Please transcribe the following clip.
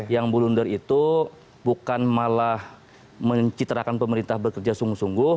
yang blunder itu bukan malah mencitrakan pemerintah bekerja sungguh sungguh